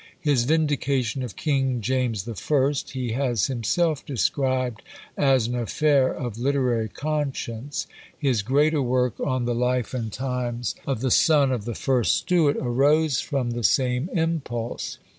His vindication of King James the First, he has himself described as "an affair of literary conscience:" his greater work on the Life and Times of the son of the first Stuart arose from the same impulse.